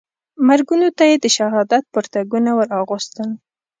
مرګونو ته یې د شهادت پرتګونه وراغوستل.